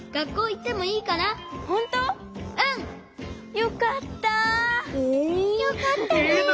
よかったね。